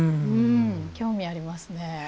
興味ありますね。